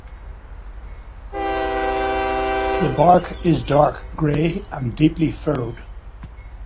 The bark is dark gray and deeply furrowed.